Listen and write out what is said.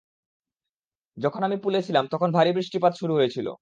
যখন আমি পুলে ছিলাম তখন ভারী বৃষ্টিপাত শুরু হয়েছিল।